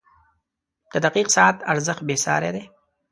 • د دقیق ساعت ارزښت بېساری دی.